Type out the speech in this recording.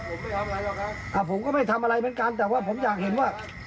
ผมไม่ทำอะไรหรอกครับอ่าผมก็ไม่ทำอะไรเหมือนกันแต่ว่าผมอยากเห็นว่า